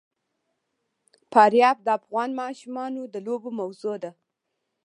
فاریاب د افغان ماشومانو د لوبو موضوع ده.